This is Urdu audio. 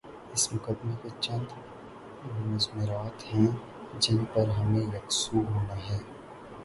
اس مقدمے کے چند مضمرات ہیں جن پر ہمیں یک سو ہونا ہے۔